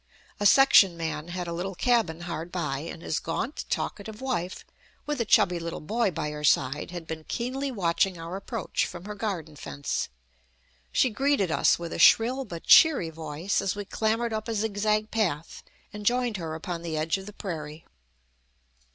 A section man had a little cabin hard by, and his gaunt, talkative wife, with a chubby little boy by her side, had been keenly watching our approach from her garden fence. She greeted us with a shrill but cheery voice as we clambered up a zigzag path and joined her upon the edge of the prairie.